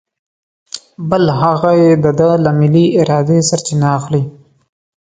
بل هغه یې د ده له ملې ارادې سرچینه اخلي.